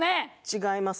違います。